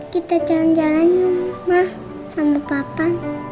kita jalan jalan yuk ma sama papa